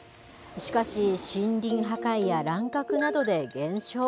しかし森林破壊や乱獲などで減少。